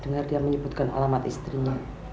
dengar dia menyebutkan alamat istrinya